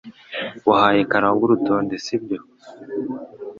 Wahaye karangwa urutonde sibyo